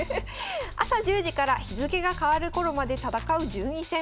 朝１０時から日付けが変わる頃まで戦う順位戦。